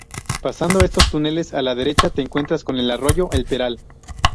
Pasando estos túneles, a la derecha te encuentras con el arroyo "El Peral".